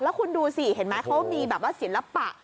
แล้วคุณดูสิเห็นไหมเขามีแบบว่าศิลปะ